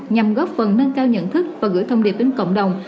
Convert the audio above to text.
nhằm góp phần nâng cao nhận thức và gửi thông điệp đến cộng đồng